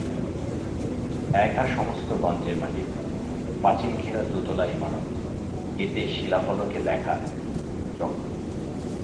একা সমস্ত গঞ্জের মালিক, পাঁচিল-ঘেরা দোতলা ইমারত, গেটে শিলাফলকে লেখা মধুচক্র।